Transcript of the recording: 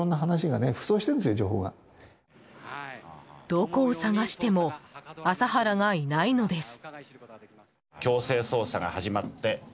どこを捜しても麻原がいないのです。